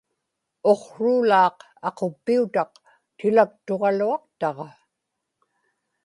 uqsruulaaq aquppiutaq tilaktuġaluaqtaġa